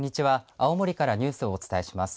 青森からニュースをお伝えします。